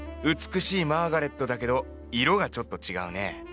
美しいマーガレットだけど色がちょっと違うね。